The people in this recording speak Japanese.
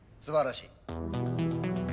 すばらしい。